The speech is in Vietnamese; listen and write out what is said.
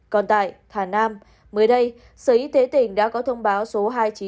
còn tại thà nam mới đây sở y tế tỉnh đã có thông báo số hai nghìn chín trăm chín mươi ba